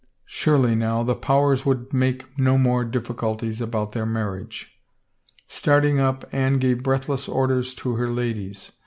Surely, now, the powers would make no more difficulties about their marriage. Starting up, Anne gave breathless orders to her ladies.